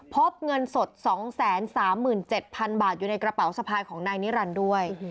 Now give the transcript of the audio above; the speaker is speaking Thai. พบเงินสด๒๓๗๐๐๐บาทอยู่ในกระเป๋าสะพายของนายนิรันดิ์ด้วย